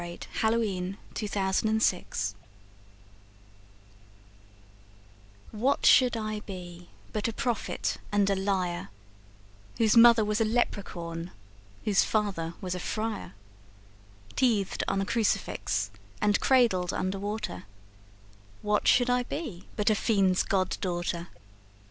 The Singing Woman from the Wood's Edge WHAT should I be but a prophet and a liar, Whose mother was a leprechaun, whose father was a friar? Teethed on a crucifix and cradled under water, What should I be but a fiend's god daughter?